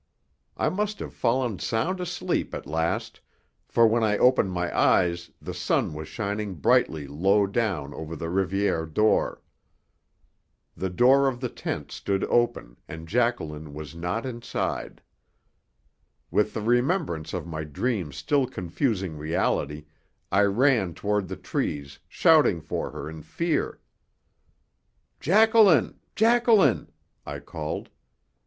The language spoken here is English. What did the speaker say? I must have fallen sound asleep at last, for when I opened my eyes the sun was shining brightly low down over the Rivière d'Or. The door of the tent stood open and Jacqueline was not inside. With the remembrance of my dream still confusing reality, I ran toward the trees, shouting for her in fear. "Jacqueline! Jacqueline!" I called.